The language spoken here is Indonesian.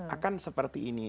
akan seperti ini